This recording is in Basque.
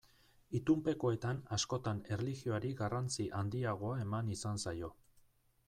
Itunpekoetan askotan erlijioari garrantzi handiagoa eman izan zaio.